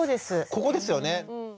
ここですよね。